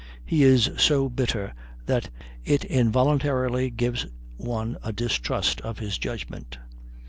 He is so bitter that it involuntarily gives one a distrust of his judgment.